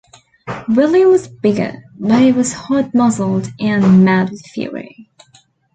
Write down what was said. William was bigger, but he was hard-muscled, and mad with fury.